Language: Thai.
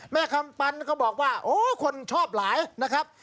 คำปันก็บอกว่าโอ้คนชอบหลายนะครับ